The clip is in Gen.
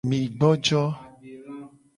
Mi gbojo.